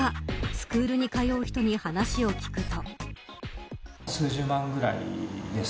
スクールに通う人に話を聞くと。